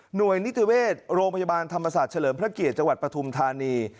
หน่วยนิตเวชโรงพยาบาลธรรมศาสตร์เฉลินพระเกษจังหวัดประทุมธานี